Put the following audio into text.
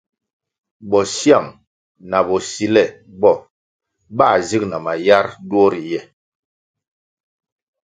Bosyang na bosile bo bā zig na mayar duo riye.